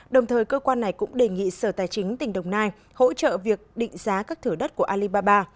đồng thời cơ quan này cũng đề nghị sở tài chính tỉnh đồng nai hỗ trợ việc định giá các thửa đất của alibaba